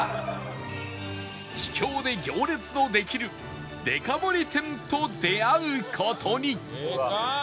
秘境で行列のできるでか盛り店と出会う事にでかっ！